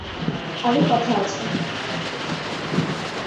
আরো কথা আছে।